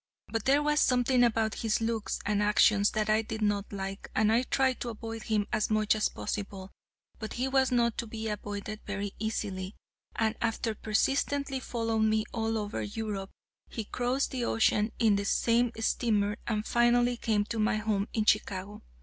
But there was something about his looks and actions that I did not like, and I tried to avoid him as much as possible. But he was not to be avoided very easily, and, after persistently following me all over Europe, he crossed the ocean in the same steamer, and finally came to my home in Chicago.